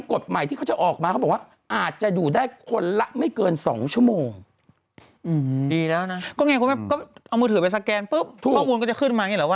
ก็ครับอ่องมือถือไปสแกนปุ๊บข้อมูลก็จะขึ้นมานี่หรือว่า